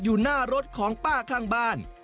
อยู่หน้ารถของป้าข้างบ้าน